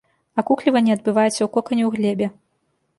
Акукліванне адбываецца ў кокане ў глебе.